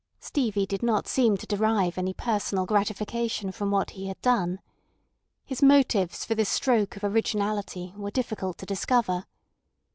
Stevie did not seem to derive any personal gratification from what he had done. His motives for this stroke of originality were difficult to discover.